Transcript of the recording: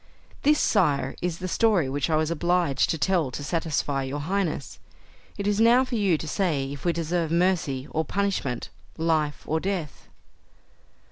"This, Sire, is the story which I was obliged to tell to satisfy your highness. It is now for you to say if we deserve mercy or punishment; life or death?"